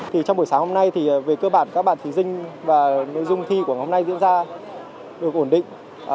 thì trong buổi sáng hôm nay thì về cơ bản các bạn thí sinh và nội dung thi của ngày hôm nay diễn ra được ổn định